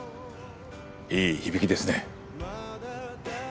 いい響きですね。